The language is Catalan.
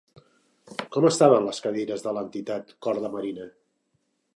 Com estaven les cadires de l'entitat Cor de Marina?